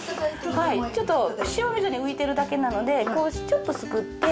ちょっと塩水に浮いてるだけなのでこうちょっとすくって。